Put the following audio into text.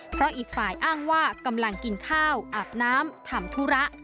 เพราะอีกฝ่ายอ้างว่ากำลังกินข้าวอาบน้ำทำธุระ